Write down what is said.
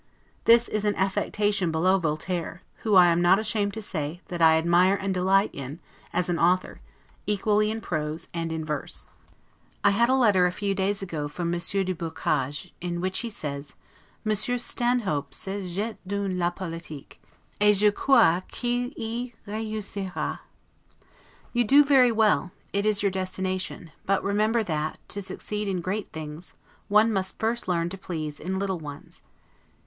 This is an affectation below Voltaire; who, I am not ashamed to say, that I admire and delight in, as an author, equally in prose and in verse. I had a letter a few days ago from Monsieur du Boccage, in which he says, 'Monsieur Stanhope s'est jete dans la politique, et je crois qu'il y reussira': You do very well, it is your destination; but remember that, to succeed in great things, one must first learn to please in little ones.